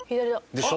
でしょ。